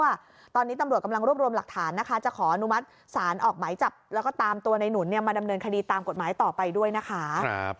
ว่าตอนนี้ตำรวจกำลังรวบรวมหลักฐานนะคะจะขออนุมัติศาลออกหมายจับแล้วก็ตามตัวในหนุนเนี่ยมาดำเนินคดีตามกฎหมายต่อไปด้วยนะคะ